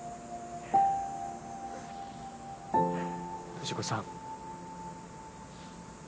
藤子さん。